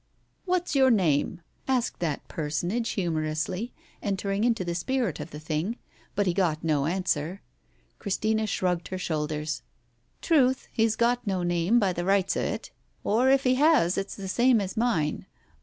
" "What's your name?" asked that personage humor ously, entering into the spirit of the thing, but he got no answer. Christina shrugged her shoulders. "Truth, he's got no name, by the rights of it. Or if he has, it's the same as mine.